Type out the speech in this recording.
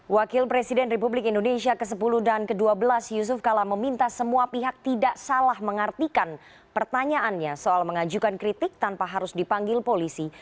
wakil presiden republik indonesia ke sepuluh dan ke dua belas yusuf kala meminta semua pihak tidak salah mengartikan pertanyaannya soal mengajukan kritik tanpa harus dipanggil polisi